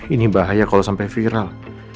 ini bahaya kalau sampai viral